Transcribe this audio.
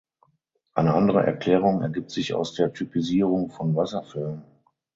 Eine andere Erklärung ergibt sich aus der Typisierung von Wasserfällen.